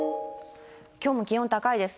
きょうも気温高いです。